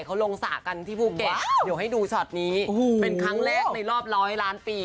เขาลงสระกันที่ภูเก็ตเดี๋ยวให้ดูช็อตนี้เป็นครั้งแรกในรอบร้อยล้านปี